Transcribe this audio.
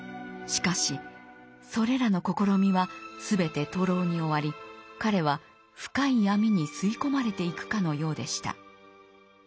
しかしそれらの試みは全て徒労に終わり彼は深い闇に吸い込まれていくかのようでした。